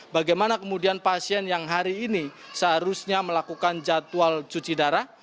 bagaimana kemudian pasien yang hari ini seharusnya melakukan jadwal cuci darah